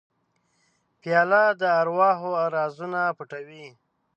پیاله د ارواحو رازونه پټوي.